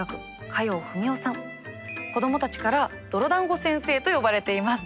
子どもたちから「泥だんご先生」と呼ばれています。